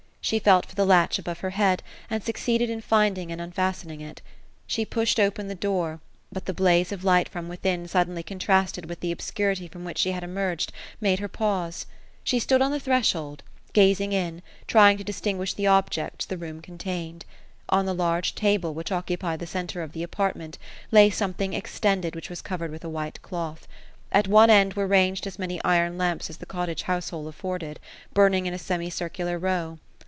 She felt for the latch above her head ; and succeeded in finding, and unfastening it. She pushed open the door; but the blaze of light from within, suddenly contrasted with the obscurity from which she had emerged, made her pause. She stood on the threshold, gazing in, trying to distinguish the objects the room contained. On the large table, which occupied the centre of the apartment, lay something extend ed, which was covered with a white cloth. At one end were ranged as many iron lamps as the cottage household afforded, burning in a semi circular row.